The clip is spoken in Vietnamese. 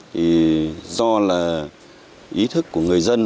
thì do là ý thức của người dân